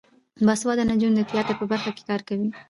باسواده نجونې د تیاتر په برخه کې کار کوي.